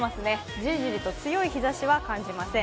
じりじりと強い日ざしは感じません。